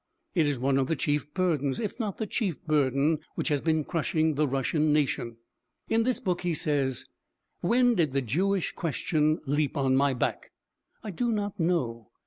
It is one of the chief burdens, if not the chief burden, which has been crushing the Russian nation. In this book he says: "When did the 'Jewish question' leap on my back? I do not know.